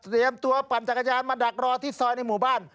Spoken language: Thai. ตัวปั่นจักรยานมาดักรอที่ซอยในหมู่บ้าน